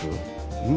うん？